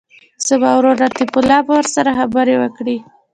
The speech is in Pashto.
زما ورور لطیف الله به ورسره خبرې وکړي.